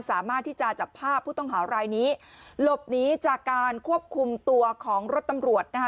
สามารถที่จะจับภาพผู้ต้องหารายนี้หลบหนีจากการควบคุมตัวของรถตำรวจนะคะ